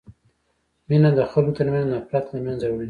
مینه د خلکو ترمنځ نفرت له منځه وړي.